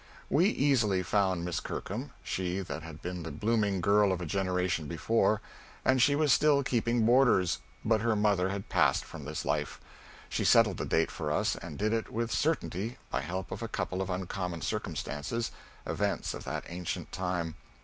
We easily found Miss Kirkham she that had been the blooming girl of a generation before and she was still keeping boarders; but her mother had passed from this life. She settled the date for us, and did it with certainty, by help of a couple of uncommon circumstances, events of that ancient time.